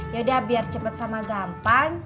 yaudah biar cepet sama gampang